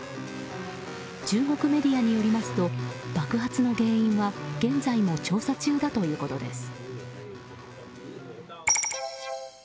中国メディアによりますと爆発の原因は現在も調査中だということです。